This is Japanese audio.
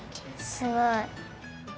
すごい！